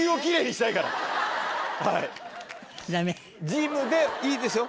ジムでいいですよ